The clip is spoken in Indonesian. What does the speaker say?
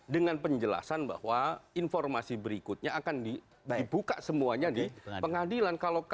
dengan penjelasan bahwa informasi berikutnya akan dibuka semuanya di pengadilan